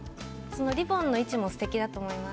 リボンの位置も素敵だと思います。